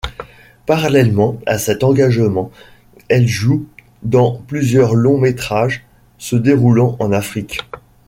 Parallèlement à cet engagement, elle joue dans plusieurs longs-métrages se déroulant en Afrique.